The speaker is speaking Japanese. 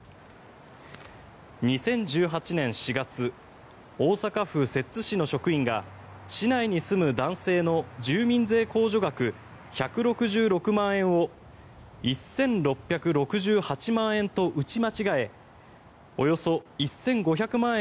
２０１８年４月大阪府摂津市の職員が市内に住む男性の住民税控除額１６６万円を１６６８万円と打ち間違えおよそ１５００万円